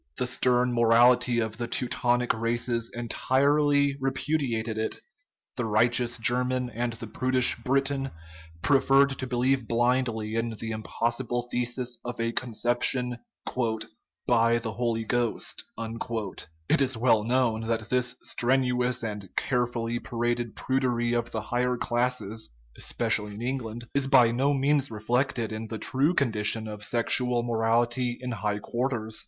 The stern morality of the Teutonic races entirely repu diates it ; the righteous German and the prudish Briton prefer to believe blindly in the impossible thesis of a conception * by the Holy Ghost." It is well known that this strenuous and carefully paraded prudery of the higher classes (especially in England) is by no means reflected in the true condition of sexual morality in high quarters.